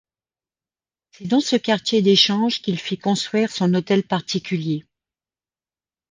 C'est dans ce quartier des Changes qu'il fit construire son hôtel particulier.